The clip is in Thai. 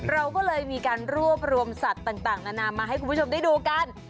เราก็เลยมีการรวบรวมสัตว์ต่างนานามาให้คุณผู้ชมได้ดูกัน